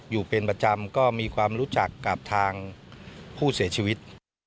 อยู่เป็นประจำก็มีความรู้จักกับทางผู้เสียชีวิต